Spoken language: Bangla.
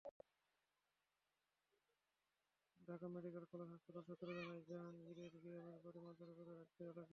ঢাকা মেডিকেল কলেজ হাসপাতাল সূত্র জানায়, জাহাঙ্গীরের গ্রামের বাড়ি মাদারীপুরের রাজৈর এলাকায়।